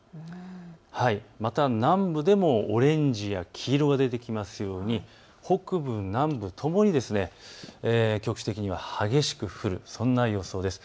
また南部でもオレンジや黄色が出てきますように北部、南部ともに局地的には激しく降る、そんな予想です。